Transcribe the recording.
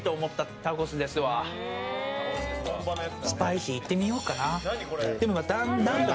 スパイス、いってみようかな。